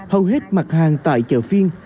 hầu hết mặt hàng tại chợ phiên